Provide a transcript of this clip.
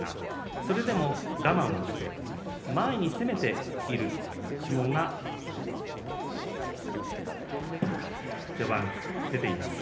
それでも我慢して前に攻めている相撲が序盤、出ています。